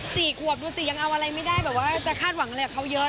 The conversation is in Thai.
สี่ขวบดูสิยังเอาอะไรไม่ได้แบบว่าจะคาดหวังอะไรกับเขาเยอะ